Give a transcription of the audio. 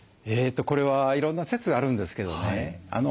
これはいろんな説があるんですけどね